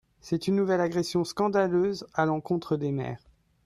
C’est une nouvelle agression scandaleuse à l’encontre des maires.